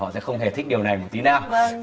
họ sẽ không hề thích điều này tí nào